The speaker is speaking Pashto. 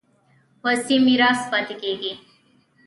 وصي میراث پاتې کېږي.